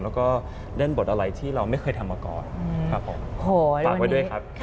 แล้วก็เล่นบทอะไรที่เราไม่เคยทำมาก่อนครับผมฝากไว้ด้วยครับ